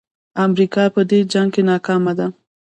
امریکا په دې جنګ کې ناکامه ده.